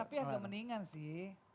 tapi agak meningan sih